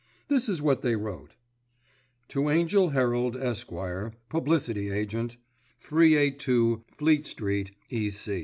This is what they wrote:— "To Angell Herald, Esq., Publicity Agent, 382, Fleet Street, E.